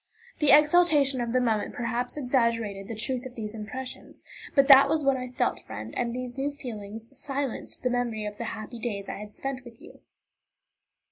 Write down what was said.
The exaltation of the moment perhaps exaggerated the truth of these impressions, but that was what I felt, friend, and these new feelings silenced the memory of the happy days I had spent with you.